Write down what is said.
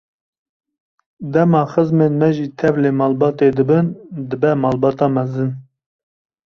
Dema xizmên me jî tevlî malbatê dibin, dibe malbata mezin.